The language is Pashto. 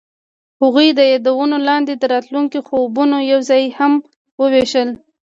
هغوی د یادونه لاندې د راتلونکي خوبونه یوځای هم وویشل.